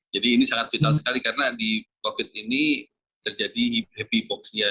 jadi ini sangat vital sekali karena di covid sembilan belas ini terjadi heavy box nya